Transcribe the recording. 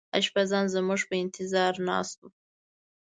اشپزان زموږ په انتظار ناست وو.